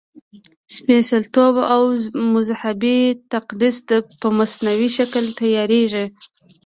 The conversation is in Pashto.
سپېڅلتوب او مذهبي تقدس په مصنوعي شکل تیارېږي.